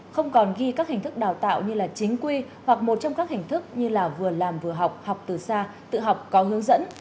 không còn ghi các hình thức đào tạo như chính quy hoặc một trong các hình thức như là vừa làm vừa học học từ xa tự học có hướng dẫn